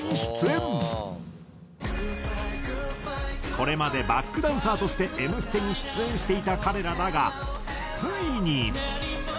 これまでバックダンサーとして『Ｍステ』に出演していた彼らだがついに。